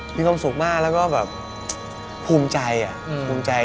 มีความสุขมากแล้วก็ภูมิใจ